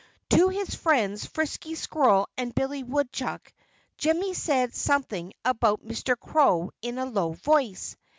To his friends Frisky Squirrel and Billy Woodchuck, Jimmy said something about Mr. Crow in a low voice.